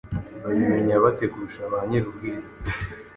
babimenya bate kurusha ba nyirubwite